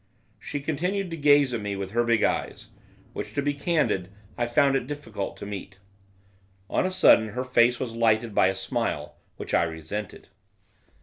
She continued to gaze at me with her big eyes, which, to be candid, I found it difficult to meet. On a sudden her face was lighted by a smile, which I resented.